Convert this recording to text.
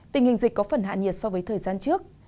tình hình dịch có phần hạ nhiệt so với thời gian trước